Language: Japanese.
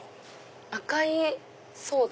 赤いソーダ？